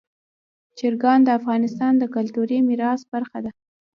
چرګان د افغانستان د کلتوري میراث برخه ده.